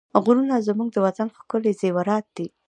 غرونه زموږ د وطن ښکلي زېورات دي.